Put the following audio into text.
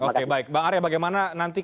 oke baik bang arya bagaimana nanti